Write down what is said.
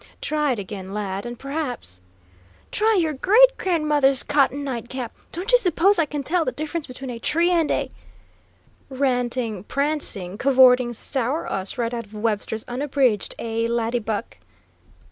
"Try it again, lad, and perhaps " "Try your great grandmother's cotton nightcap! Don't you suppose I can tell the difference between a tree and a " "Ranting, prancing, cavorting 'sour us' right out of Webster's Unabridged, eh, laddy buck?"